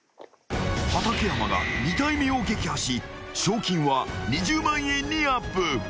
［畠山が２体目を撃破し賞金は２０万円にアップ］